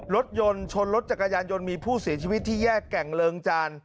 รถยนต์ชนรถจักรยานยนต์มีผู้เสียชีวิตที่แยกแก่งเริงจาน